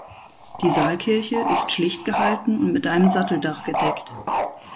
Die Saalkirche ist schlicht gehalten und mit einem Satteldach gedeckt.